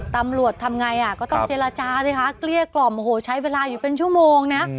ตำรวจทำไงอ่ะก็ต้องเจรจาสิคะเกลี้ยกล่อมโอ้โหใช้เวลาอยู่เป็นชั่วโมงนะ